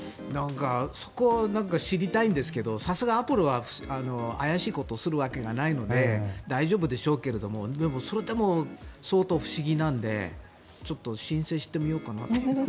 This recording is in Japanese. そこを知りたいんですけどさすがアップルは怪しいことをするわけがないので大丈夫でしょうけどでも、それでも相当不思議なのでちょっと申請してみようかなって。